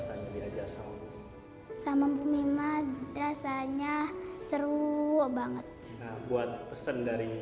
sama sama rasanya seru banget buat pesen dari